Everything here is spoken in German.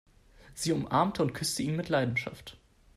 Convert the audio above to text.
Sie umarmte und küsste ihn mit Leidenschaft.